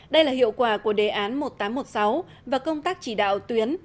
đây là hiệu quả của đề án một nghìn tám trăm một mươi sáu và công tác chỉ đạo tuyến